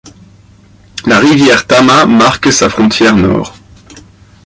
La rivière Tama marque sa frontière nord.